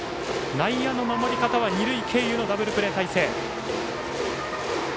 内野の守り方は二塁経由のダブルプレー態勢。